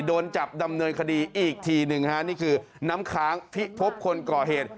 โดนจับดำเนินคดีอีกทีหนึ่งฮะนี่คือน้ำค้างพิพบคนก่อเหตุ